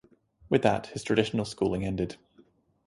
With that his traditional schooling ended.